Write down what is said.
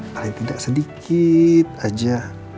paling tidak sedikit aja